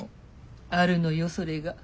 あるのよそれが。